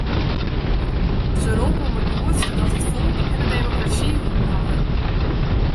Se roppe om it lûdst dat it folk en de demokrasy wûn hawwe.